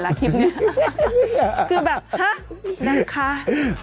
คือแบบห้ะน้องค้า